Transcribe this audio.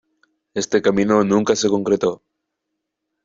Este camino nunca se concretó.